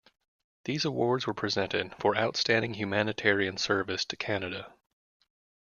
These awards were presented for outstanding humanitarian service to Canada.